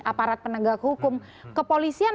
aparat penegak hukum kepolisian